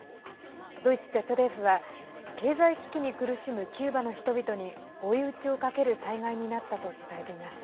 ドイツＺＤＦは経済危機に苦しむキューバの人々に追い打ちをかける災害になったと伝えています。